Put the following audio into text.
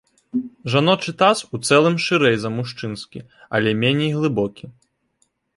Жаночы таз ў цэлым шырэй за мужчынскі, але меней глыбокі.